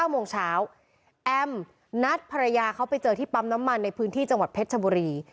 ๙โมงเช้าแอมนัดภรรยาเขาไปเจอที่ปั๊มน้ำมันในพื้นที่จังหวัดเพชรชบุรี